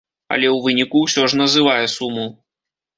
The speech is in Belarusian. Але ў выніку ўсё ж называе суму.